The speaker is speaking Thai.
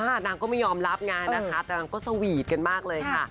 นางก็ไม่ยอมรับไงนะคะแต่นางก็สวีทกันมากเลยค่ะ